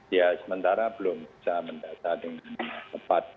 ya sementara belum bisa mendata dengan tepat